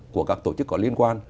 của các tổ chức có liên quan